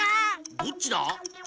どっちだ？